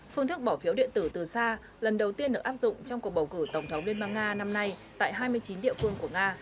phương thức bỏ phiếu điện tử từ xa lần đầu tiên được áp dụng trong cuộc bầu cử tổng thống liên bang nga năm nay tại hai mươi chín địa phương của nga